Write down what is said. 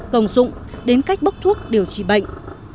công dụng đến cách bốc thuốc điều trị bệnh